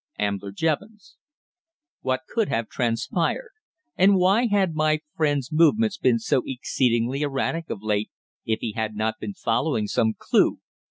_ "AMBLER JEVONS." What could have transpired? And why had my friend's movements been so exceedingly erratic of late, if he had not been following some clue?